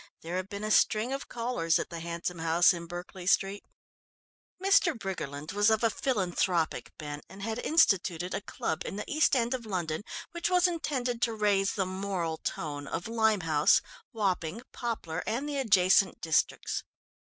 There had been a string of callers at the handsome house in Berkeley Street. Mr. Briggerland was of a philanthropic bent, and had instituted a club in the East End of London which was intended to raise the moral tone of Limehouse, Wapping, Poplar and the adjacent districts.